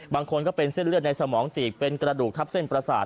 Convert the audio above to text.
บางคนก็เป็นเส้นเลือดในสมองตีบเป็นกระดูกทับเส้นประสาท